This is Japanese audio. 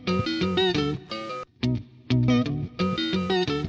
うん。